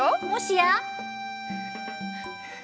もしや？